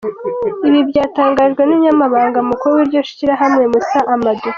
Ibi byatangajwe n’umunyamabanga mukuru w’iryo shyirahamwe Musa Amadu.